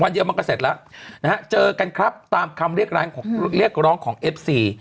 เดียวมันก็เสร็จแล้วนะฮะเจอกันครับตามคำเรียกร้องของเอฟซี